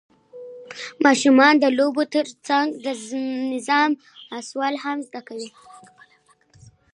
ماشومان د لوبو ترڅنګ د نظم اصول هم زده کوي